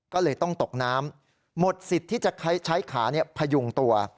ก็เลยต้องตกน้ำหมดสิทธิ์ที่จะใช้ขาพยุงตัว